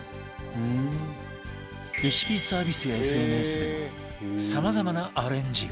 レシピサービスや ＳＮＳ でもさまざまなアレンジが